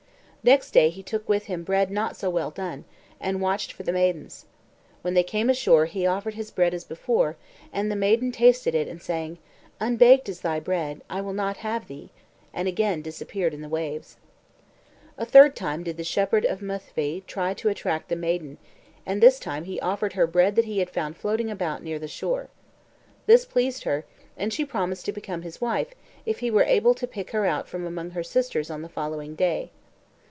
Next day he took with him bread not so well done, and watched for the maidens. When they came ashore he offered his bread as before, and the maiden tasted it and sang: Unbaked is thy bread, I will not have thee, and again disappeared in the waves. A third time did the shepherd of Myddvai try to attract the maiden, and this time he offered her bread that he had found floating about near the shore. This pleased her, and she promised to become his wife if he were able to pick her out from among her sisters on the following day.